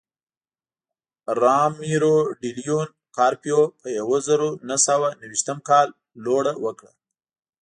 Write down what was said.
رامیرو ډي لیون کارپیو په یوه زرو نهه سوه نهه ویشتم کال لوړه وکړه.